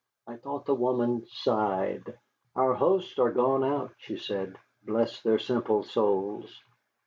I thought the woman sighed. "Our hosts are gone out," she said, "bless their simple souls!